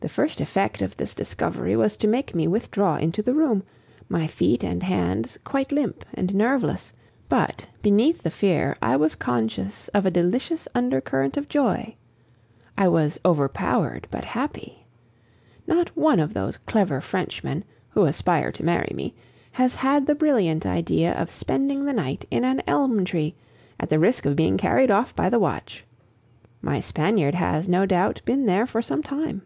The first effect of this discovery was to make me withdraw into the room, my feet and hands quite limp and nerveless; but, beneath the fear, I was conscious of a delicious undercurrent of joy. I was overpowered but happy. Not one of those clever Frenchmen, who aspire to marry me, has had the brilliant idea of spending the night in an elm tree at the risk of being carried off by the watch. My Spaniard has, no doubt, been there for some time.